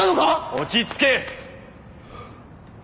⁉落ち着けッ！